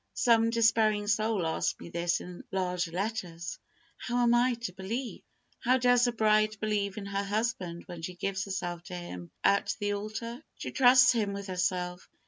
Some despairing soul asked me this in large letters, "How am I to believe?" How does a bride believe in her husband when she gives herself to him at the altar? She trusts him with herself.